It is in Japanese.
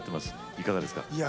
いかがですか？